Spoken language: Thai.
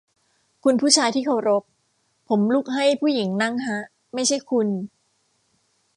คุณผู้ชายที่เคารพ ผมลุกให้ผู้หญิงนั่งฮะ ไม่ใช่คุณ